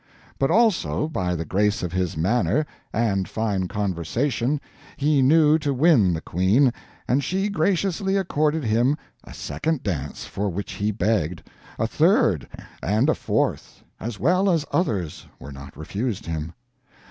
But also by the grace of his manner, and fine conversation he knew to win the Queen, and she graciously accorded him a second dance for which he begged, a third, and a fourth, as well as others were not refused him.